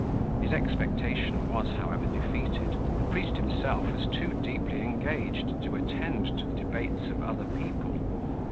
His expectation was, however, defeated: the priest himself was too deeply engaged to attend to the debates of other people.